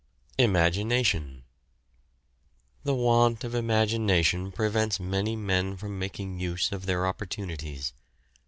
IMAGINATION. The want of imagination prevents many men from making use of their opportunities.